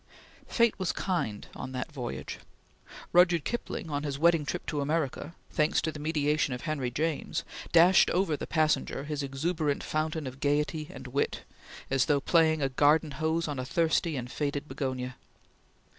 Fate was kind on that voyage. Rudyard Kipling, on his wedding trip to America, thanks to the mediation of Henry James, dashed over the passenger his exuberant fountain of gaiety and wit as though playing a garden hose on a thirsty and faded begonia.